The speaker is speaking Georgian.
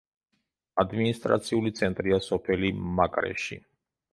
ადმინისტრაციული ცენტრია სოფელი მაკრეში.